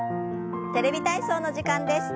「テレビ体操」の時間です。